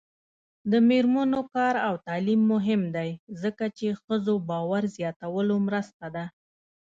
د میرمنو کار او تعلیم مهم دی ځکه چې ښځو باور زیاتولو مرسته ده.